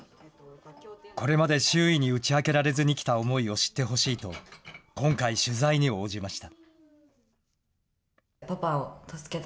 これまで周囲に打ち明けられずにきた思いを知ってほしいと、今回、取材に応じました。